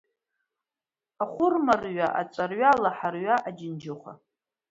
Ахәырма рҩа, аҵәарҩа, алаҳарҩа, аџьанџьыхәа.